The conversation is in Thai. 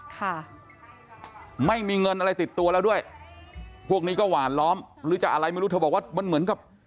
ค่ะไม่มีเงินอะไรติดตัวแล้วด้วยพวกนี้ก็หวานล้อมหรือจะอะไรไม่รู้เธอบอกว่ามันเหมือนกับ